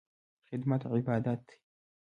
خدمت عبادت دی